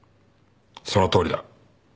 そのとおりだ。